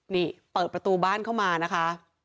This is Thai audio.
นี่เปิดประตูบ้านเข้ามานะคะ